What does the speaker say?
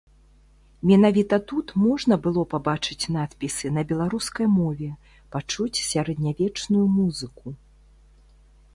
Менавіта тут можна было пабачыць надпісы на беларускай мове, пачуць сярэднявечную музыку.